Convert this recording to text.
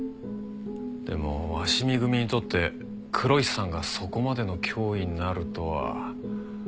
でも鷲見組にとって黒石さんがそこまでの脅威になるとは。